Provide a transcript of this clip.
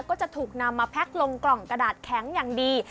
ก็จะถูกนำมาแพ็คลงกล่องกระดาษแข็งอย่างดี